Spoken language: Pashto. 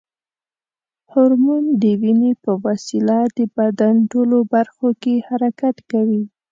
هورمون د وینې په وسیله د بدن ټولو برخو کې حرکت کوي.